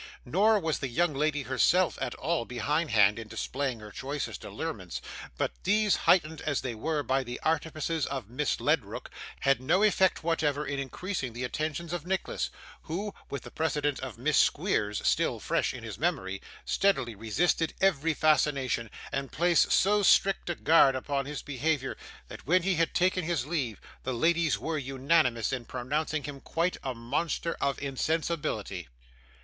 Nor was the young lady herself at all behind hand in displaying her choicest allurements; but these, heightened as they were by the artifices of Miss Ledrook, had no effect whatever in increasing the attentions of Nicholas, who, with the precedent of Miss Squeers still fresh in his memory, steadily resisted every fascination, and placed so strict a guard upon his behaviour that when he had taken his leave the ladies were unanimous in pronouncing him quite a monster of insensibility.